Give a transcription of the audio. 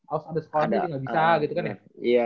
awal ada sekolah dia dia gak bisa gitu kan ya